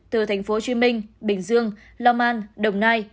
từ tp hcm bình dương lào man đồng nai